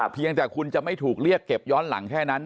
เพียงแต่คุณจะไม่ถูกเรียกเก็บย้อนหลังแค่นั้น